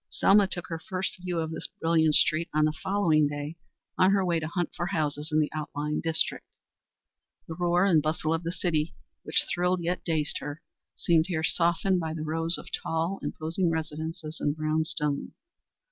Selma took her first view of this brilliant street on the following day on her way to hunt for houses in the outlying district. The roar and bustle of the city, which thrilled yet dazed her, seemed here softened by the rows of tall, imposing residences in brown stone.